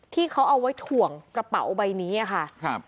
ที่เขาเอาไว้ถ่วงกระเป๋าใบนี้ค่ะครับ